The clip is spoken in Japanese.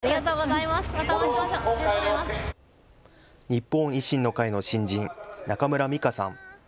日本維新の会の新人、中村美香さん。